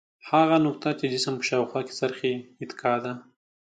هغه نقطه چې جسم په شاوخوا څرخي اتکا ده.